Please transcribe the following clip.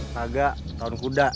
naga tahun kuda